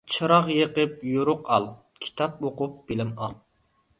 چىراغ يېقىپ يورۇق ئال، كىتاب ئوقۇپ بىلىم ئال.